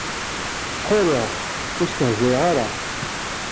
Ttḥiriɣ, ur stehzayeɣ ara.